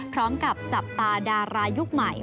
พร้อมกับจับตาดารายุคใหม่